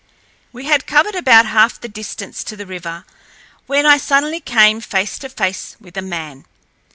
We had covered about half the distance to the river, when I suddenly came face to face with a man.